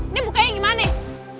ini buka yang gimana ya